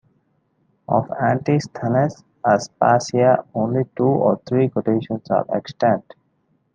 Of Antisthenes' "Aspasia" only two or three quotations are extant.